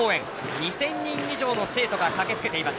２０００人以上の生徒が駆けつけています。